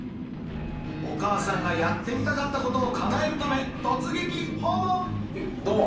お母さんがやってみたかったことをかなえるため突撃訪問！どうも。